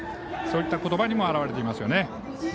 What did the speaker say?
そういったことばにも表れています。